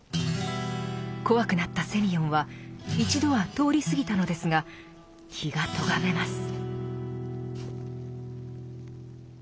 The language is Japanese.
怖くなったセミヨンは一度は通り過ぎたのですが気がとがめます。